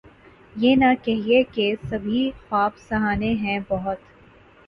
یہ نہ کہیے کہ سبھی خواب سہانے ہیں بہت